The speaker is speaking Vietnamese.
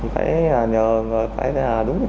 phải nhờ đúng